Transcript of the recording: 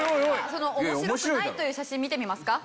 その面白くないという写真見てみますか？